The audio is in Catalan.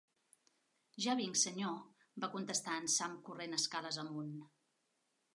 "Ja vinc, senyor", va contestar en Sam, corrent escales amunt.